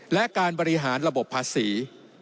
และการบริหารระบบภาษี